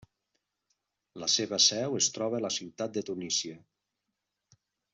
La seva seu es troba a la ciutat de Tunísia.